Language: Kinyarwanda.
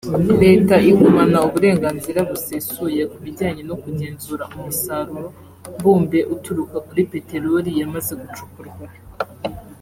Leta igumana uburenganzira busesuye ku bijyanye no kugenzura umusaruro mbumbe uturuka kuri petelori yamaze gucukurwa